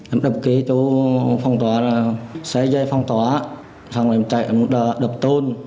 em đập ký chỗ phong tỏa xe dây phong tỏa xong em chạy đập tôn